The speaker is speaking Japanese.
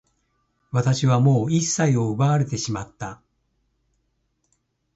私はもう一切を奪われてしまった。